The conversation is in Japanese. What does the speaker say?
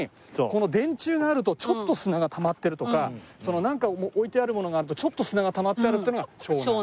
この電柱があるとちょっと砂がたまってるとかなんか置いてあるものがあるとちょっと砂がたまってあるっていうのが湘南。